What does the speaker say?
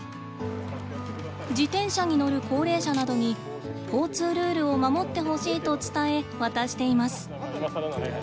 自転車に乗る高齢者などに交通ルールを守ってほしいと伝え渡しています。